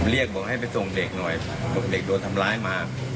เรียกบอกให้ไปส่งเด็กหน่อยบอกเด็กโดนทำร้ายมา